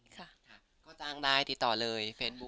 ก๊อตลางได้ก็ติดต่อเลย